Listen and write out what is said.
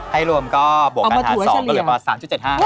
ให้รวมก็บวกกระทา๒ก็เหลือประมาณ๓๗๕